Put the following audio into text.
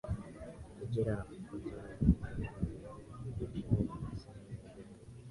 Algeria ina fukwe nzuri za bahari ya Mediterania na sehemu ya jangwa